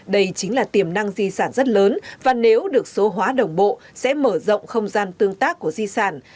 đây chính là tiềm năng di sản rất lớn và nếu được số hóa đồng bộ sẽ mở rộng không gian tương tác của di sản